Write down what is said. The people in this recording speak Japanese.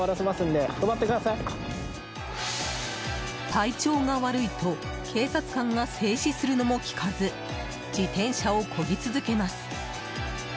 体調が悪いと警察官が制止するのも聞かず自転車をこぎ続けます。